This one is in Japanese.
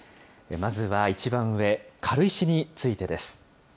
まずは一番上、軽石についてです。